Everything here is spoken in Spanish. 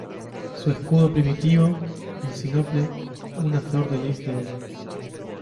Su escudo primitivo, en sinople, una flor de lis de oro.